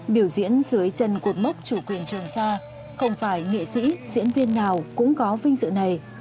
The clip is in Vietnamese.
biểu diễn dưới chân cột mốc chủ quyền trường sa không phải nghệ sĩ diễn viên nào cũng có vinh dự này